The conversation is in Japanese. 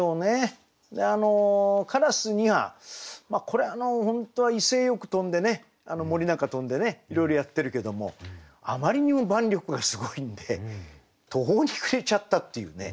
これ本当は威勢よく飛んでね森なんか飛んでねいろいろやってるけどもあまりにも万緑がすごいんで途方に暮れちゃったっていうね